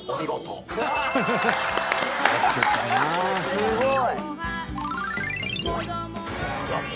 すごい！